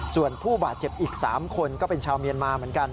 ส่วนผู้บาดเจ็บอีก๓คนก็เป็นชาวเมียนมาเหมือนกัน